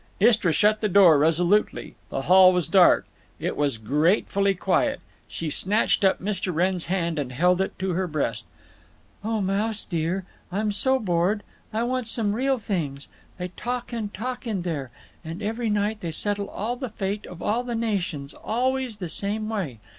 Istra shut the door resolutely. The hall was dark. It was gratefully quiet. She snatched up Mr. Wrenn's hand and held it to her breast. "Oh, Mouse dear, I'm so bored! I want some real things. They talk and talk in there, and every night they settle all the fate of all the nations, always the same way.